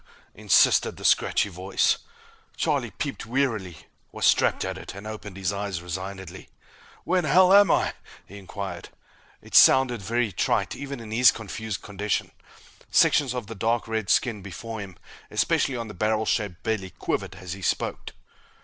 _" insisted the scratchy voice. Charlie peeped warily, was trapped at it, and opened his eyes resignedly. "Where'n'ell am I?" he inquired. It sounded very trite, even in his confused condition. Sections of the dark red skin before him, especially on the barrel shaped belly, quivered as he spoke.